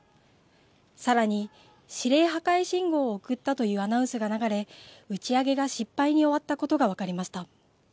さらに指令破壊信号を送ったというアナウンスが流れ打ち上げが失敗に終わったことが分かりました。